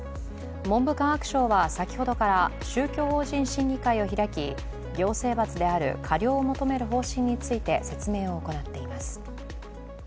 文部科学省は先ほどから宗教法人審議会を開き行政罰である過料を求める方針について説明を行っています。